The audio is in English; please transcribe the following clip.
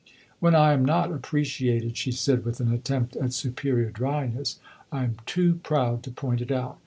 "When I am not appreciated," she said, with an attempt at superior dryness, "I am too proud to point it out.